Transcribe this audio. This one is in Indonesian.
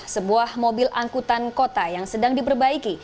sebuah mobil angkutan kota yang sedang diperbaiki